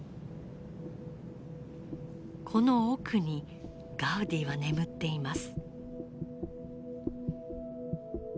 この奥にガウディは眠っています。